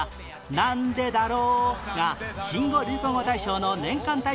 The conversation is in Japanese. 「なんでだろう」が新語・流行語大賞の年間大賞を受賞